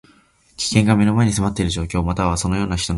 危険が目の前に迫っている状況。または、そのような状況の人のこと。